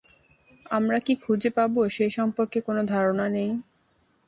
আমরা কী খুঁজে পাব সে সম্পর্কে কোন ধারণা নেই।